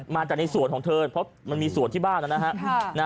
มาจากในส่วนของเธอเพราะมันมีสวนที่บ้านนะฮะ